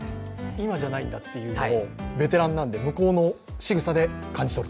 今じゃないかというのをベテランなんで向こうのしぐさで感じ取ってる？